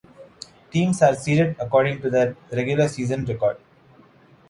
Teams are seeded according to their regular-season record.